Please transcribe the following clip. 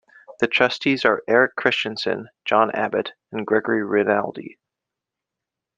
The Trustees are Eric Christensen, John Abbott and Gregory Rinaldi.